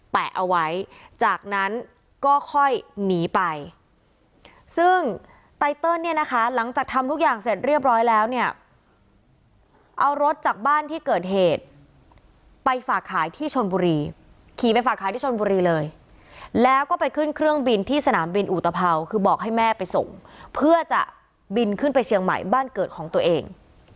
แปะเอาไว้จากนั้นก็ค่อยหนีไปซึ่งไตเติลเนี่ยนะคะหลังจากทำทุกอย่างเสร็จเรียบร้อยแล้วเนี่ยเอารถจากบ้านที่เกิดเหตุไปฝากขายที่ชนบุรีขี่ไปฝากขายที่ชนบุรีเลยแล้วก็ไปขึ้นเครื่องบินที่สนามบินอุตภาวคือบอกให้แม่ไปส่งเพื่อจะบินขึ้นไปเชียงใหม่บ้านเกิดของตัวเอง